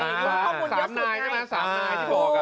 ค้ำนายใช่มั้ยซามนายที่บอก